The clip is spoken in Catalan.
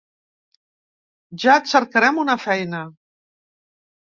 Ja et cercarem una feina.